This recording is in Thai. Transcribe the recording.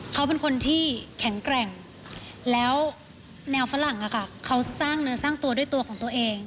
เขาเป็นคนที่แข็งแกร่งแล้วแนวฝรั่งเขาสร้างเนื้อสร้างตัวด้วยตัวของตัวเอง